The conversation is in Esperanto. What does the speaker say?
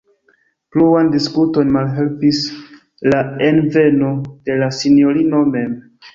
Pluan diskuton malhelpis la enveno de la sinjorino mem.